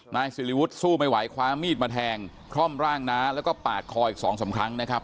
นายสิริวุฒิสู้ไม่ไหวคว้ามีดมาแทงคร่อมร่างน้าแล้วก็ปาดคออีกสองสามครั้งนะครับ